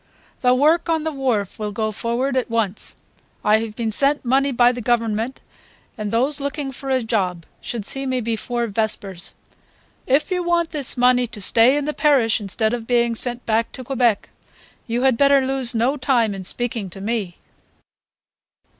"The work on the wharf will go forward at once ... I have been sent money by the Government, and those looking for a job should see me before vespers. If you want this money to stay in the parish instead of being sent back to Quebec you had better lose no time in speaking to me."